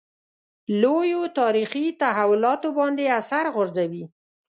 لویو تاریخي تحولاتو باندې اثر غورځوي.